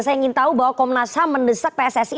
saya ingin tahu bahwa komnas ham mendesak pssi